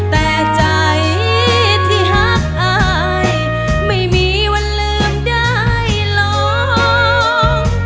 แต่ใจที่หักอายไม่มีวันลืมได้ลอง